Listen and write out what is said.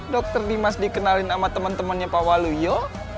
dokter dimas dikenalin sama teman temannya pak walu yo